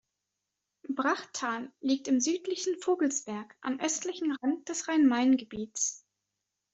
Brachttal liegt im südlichen Vogelsberg am östlichen Rand des Rhein-Main-Gebiets.